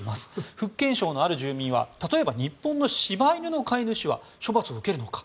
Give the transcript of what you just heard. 福建省のある住民は例えば日本の柴犬の飼い主は処罰を受けるのか？